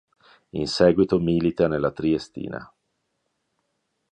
In seguito milita nella Triestina.